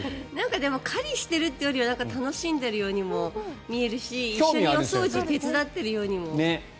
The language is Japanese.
狩りをしているというよりは楽しんでいるようにも見えるし一緒にお掃除を手伝っているようにも見えます。